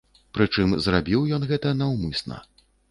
Прычым зрабіў ён гэта наўмысна.